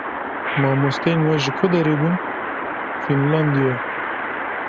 Mamosteyên we ji ku derê bûn? "Fînlandiya."